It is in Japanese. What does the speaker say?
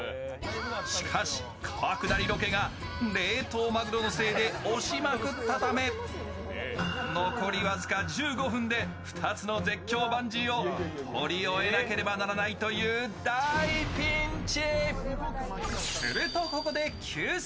しかし川下りロケが冷凍まぐろのせいで押しまくったため残り僅１５分で２つの絶叫バンジーを撮り終えなければならないという大ピンチ。